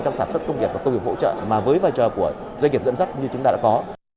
trong sản xuất công nghiệp và công nghiệp hỗ trợ mà với vai trò của doanh nghiệp dẫn dắt như chúng ta đã có